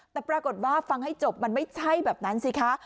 แต่ปรากฏว่าฟังให้จบมันไม่ใช่แบบนั้นสิคะ